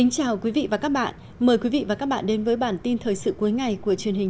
cảm ơn các bạn đã theo dõi và đăng ký kênh của chúng mình